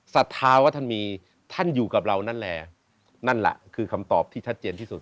ศรัทธาว่าท่านมีท่านอยู่กับเรานั่นแหละนั่นแหละคือคำตอบที่ชัดเจนที่สุด